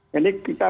jadi kita bentuk